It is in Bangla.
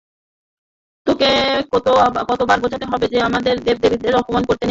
তোকে কতোবার বোঝাতে হবে যে আমাদের দেবদেবীর অপমান করতে নেই।